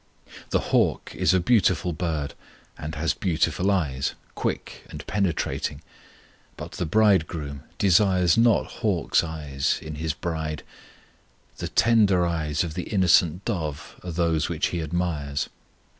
The hawk is a beautiful bird, and has beautiful eyes, quick and penetrating; but the Bridegroom desires not hawk's eyes in His bride. The tender eyes of the innocent dove are those which He admires.